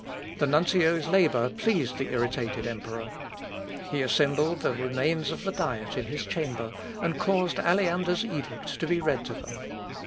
The nuncio's labour pleased the irritated emperor. He assembled the remains of the Diet in his chamber, and caused Aleander's edict to be read to them.